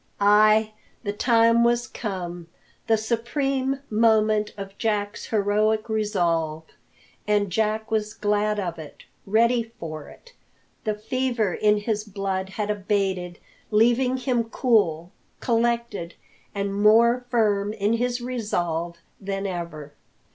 Ay, the time was come the supreme moment of Jack's heroic resolve. And Jack was glad of it, ready for it. The fever in his blood had abated, leaving him cool, collected, and more firm in his resolve than ever.